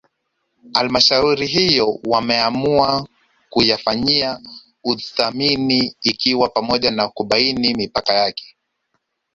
Halmshauri hiyo wameamua kuyafanyia uthamini ikiwa ni pamoja na kubaini mipaka yake